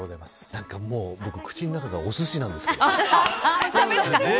なんかもう、僕口の中がお寿司なんですけど。